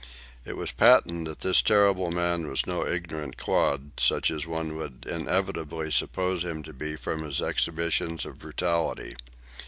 It was patent that this terrible man was no ignorant clod, such as one would inevitably suppose him to be from his exhibitions of brutality.